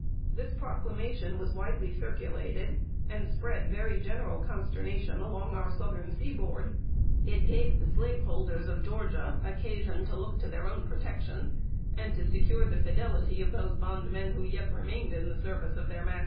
This proclamation was widely circulated, and spread very general consternation along our Southern seaboard: it gave the slaveholders of Georgia occasion to look to their own protection, and to secure the fidelity of those bondmen who yet remained in the service of their masters.